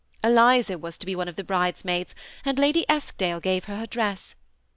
Eliza was to be one of the bridesmaids, and Lady Eskdale gave her her dress.